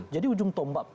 jadi ujung kata